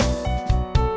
oke sampai jumpa